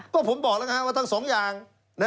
ก็ผมบอกแล้วว่าทั้งสองอย่าง